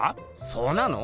そうなの？